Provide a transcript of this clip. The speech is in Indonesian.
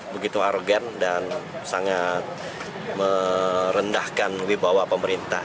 begitu arogan dan sangat merendahkan wibawa pemerintah